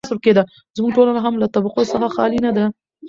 زموږ ټولنه هم له طبقو څخه خالي نه ده.